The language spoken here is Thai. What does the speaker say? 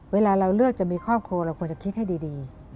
เวลาเราเลือกจะมีครอบครัวเราควรจะคิดให้ดี